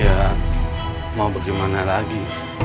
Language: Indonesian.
ya mau bagaimana lagi